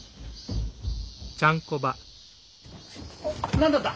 何だった？